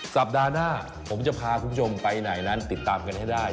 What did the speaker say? สัปดาห์หน้าผมจะพาคุณผู้ชมไปไหนนั้นติดตามกันให้ได้